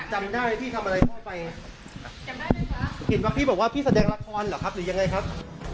จำได้เลยครับพี่บอกว่าพี่แสดงละครหรือยังไงครับ